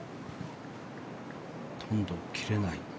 ほとんど切れない。